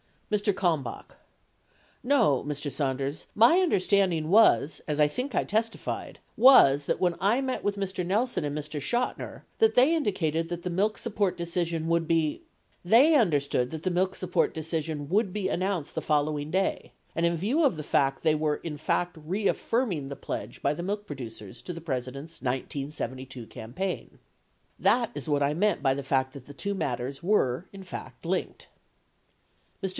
Mr. Kalmbach. No, Mr. Sanders, my understanding was. as I think I testified, was that when I met with Mr. Nelson and Mr. Chotiner, that they indicated that the milk support deci sion would be — they understood that the milk support deci sion would be announced the following day, and in view of that fact they were in fact reaffirming the pledge by the milk producers to the President's 1972 campaign. That is what I meant by the fact that the two matters were in fact linked. Mr.